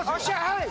はい！